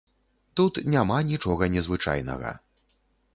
Тут няма нічога незвычайнага.